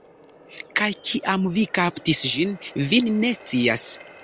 Kaj kiam vi kaptis ĝin, vi ne scias.